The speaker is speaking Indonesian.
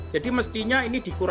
jadi mestinya ini dikurator